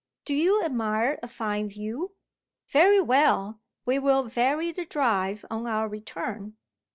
Do you admire a fine view? Very well; we will vary the drive on our return.